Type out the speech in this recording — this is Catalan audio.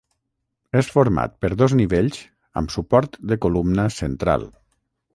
És format per dos nivells amb suport de columna central.